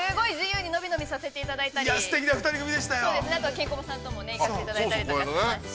あとはケンコバさんとも行かせていただいたりとかしました。